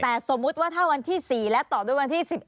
แต่สมมุติว่าถ้าวันที่๔และต่อด้วยวันที่๑๑